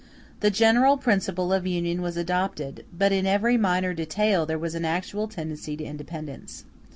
The general principle of Union was adopted, but in every minor detail there was an actual tendency to independence.